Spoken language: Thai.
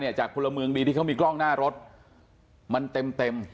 นี่คลิปมาจากคนละเมืองดีที่เขามีกล้องหน้ารถมันเต็ม